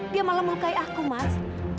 dia malah melukai aku mas